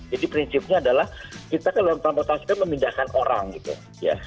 jadi prinsipnya adalah kita kalau mempromotasikan memindahkan orang gitu ya